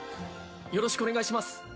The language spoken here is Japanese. よろしくお願いします